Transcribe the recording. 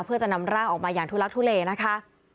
เพื่อจะนำร่างออกมาอย่างทุลักทุเลนะคะ